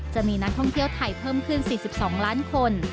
จะมีนักท่องเที่ยวไทยเพิ่มขึ้น๔๒ล้านคน